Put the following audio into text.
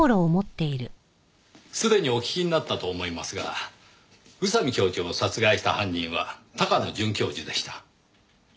すでにお聞きになったと思いますが宇佐美教授を殺害した犯人は高野准教授でした。